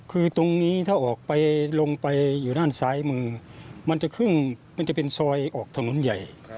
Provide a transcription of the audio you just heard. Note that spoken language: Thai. คือตรงนี้ถ้าออกไปลงไปอยู่ด้านซ้ายมือมันจะครึ่งมันจะเป็นซอยออกถนนใหญ่